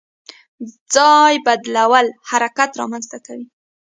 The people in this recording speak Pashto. ځای بدلول حرکت رامنځته کوي.